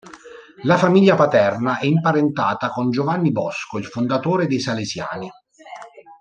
La famiglia paterna è imparentata con Giovanni Bosco, il fondatore dei salesiani.